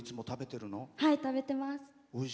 はい、食べてます。